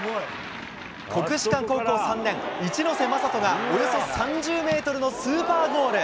国士舘高校３年、一瀬雅斗がおよそ３０メートルのスーパーゴール。